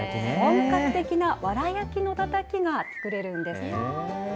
本格的なわら焼きのたたきが作れるんです。